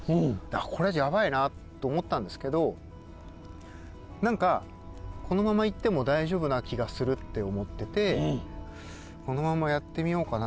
「あっこれヤバイな」と思ったんですけど何かこのままいっても大丈夫な気がするって思っててこのままやってみようかな